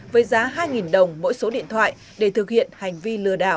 với giá hai đồng mỗi số điện thoại để thực hiện hành vi